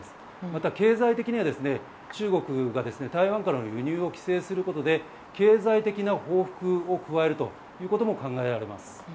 また、経済的には中国が台湾からの輸入を規制することで経済的な報復を加えるということも考えられます。